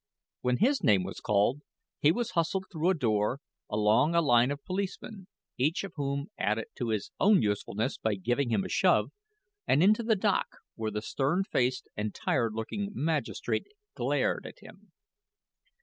When his name was called, he was hustled through a door, along a line of policemen each of whom added to his own usefulness by giving him a shove and into the dock, where the stern faced and tired looking magistrate glared at him.